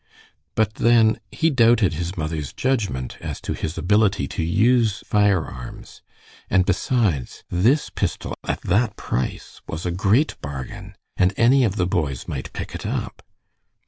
But then, he doubted his mother's judgment as to his ability to use firearms, and besides, this pistol at that price was a great bargain, and any of the boys might pick it up.